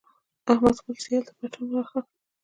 احمد خپل سیال ته پتون وواهه.